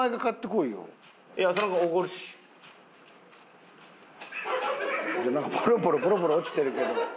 いやなんかボロボロボロボロ落ちてるけど。